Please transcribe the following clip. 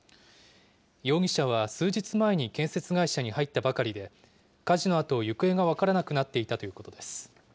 容疑者は数日前に建設会社に入ったばかりで、火事のあと、行方が分からなくなっていたということです。